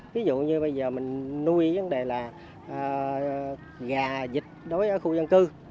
ví dụ như bây giờ mình nuôi vấn đề là gà dịch đối với khu dân cư